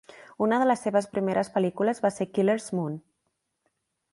Una de les seves primeres pel·lícules va ser "Killer's Moon".